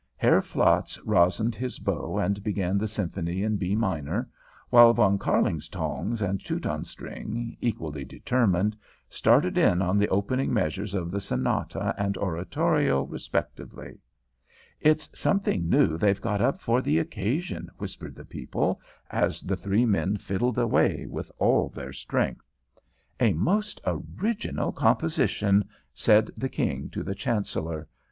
Herr Flatz resined his bow and began the Symphony in B Minor, while Von Kärlingtongs and Teutonstring, equally determined, started in on the opening measures of the Sonata and Oratorio respectively. [Illustration: "THE THREE FIDDLED WITH ALL THEIR STRENGTH"] "It's something new they've got up for the occasion," whispered the people, as the three men fiddled away with all their strength. "A most original composition!" said the King to the Chancellor.